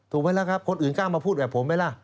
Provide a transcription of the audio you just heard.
ถูกไหมล่ะครับคนอื่นกล้ามาพูดแบบผมไหมล่ะ